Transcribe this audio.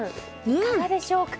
いかがでしょうか？